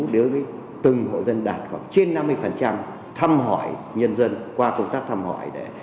đối với từng hộ dân đạt khoảng trên năm mươi thăm hỏi nhân dân qua công tác thăm hỏi